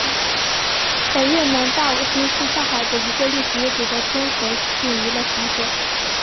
百乐门大舞厅是上海的一个历史悠久的综合性娱乐场所。